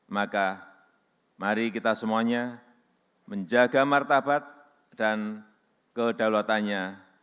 maka mari kita semuanya menjaga martabat dan kedaulatannya